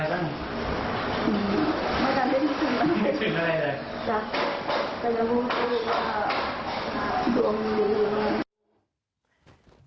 จะจะจะพูดว่าลมวือ